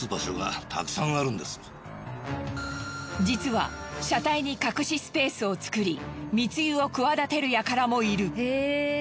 実は車体に隠しスペースを作り密輸を企てるやからもいる。